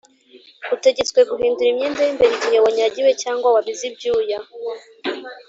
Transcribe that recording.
Utegetswe guhindura imyenda y’imbere igihe wanyagiwe cyangwa wabize ibyuya